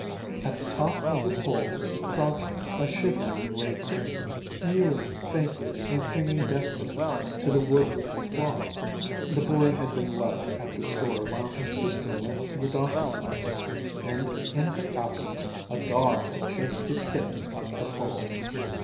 At the top of the pole crouched a shivering gray kitten, mewing faintly and clinging desperately to the wood with her claws. The boy had been left at the store while his sister went to the doctor's office, and in her absence a dog had chased his kitten up the pole.